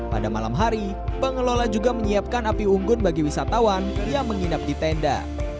pada malam hari pengelola juga menyiapkan api unggun bagi wisatawan yang menginap di tenda